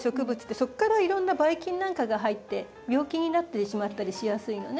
そこからいろんなバイ菌なんかが入って病気になってしまったりしやすいのね。